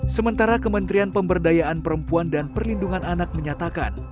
sementara kementerian pemberdayaan perempuan dan perlindungan anak menyatakan